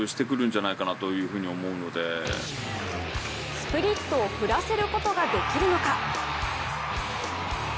スプリットを振らせることができるのか。